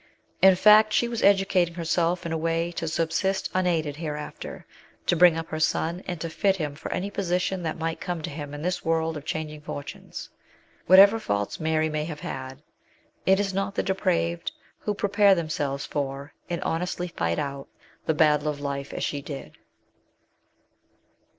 In fact, she was educating herself in a way to subsist unaided hereafter, to bring up her son, and to fit him for any position that might come to him in this world of changing fortunes. Whatever faults Mary may have had, it is not the depraved who prepare themselves for, and honestly fight out, the battle of life as she did.